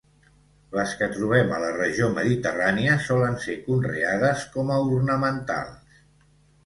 Les que trobem a la regió mediterrània solen ser conreades com a ornamentals.